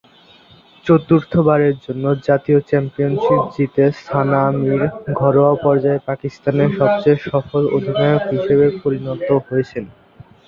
চতুর্থবারের জন্য জাতীয় চ্যাম্পিয়নশিপ জিতে সানা মীর ঘরোয়া পর্যায়ে পাকিস্তানের সবচেয়ে সফল অধিনায়ক হিসেবে পরিণত হয়েছেন।